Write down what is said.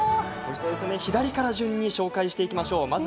左から順に紹介していきます。